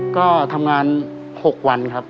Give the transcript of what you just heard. ก็ทำงาน๖วันครับ